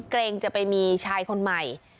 เกรงจะไปมีชายคนใหม่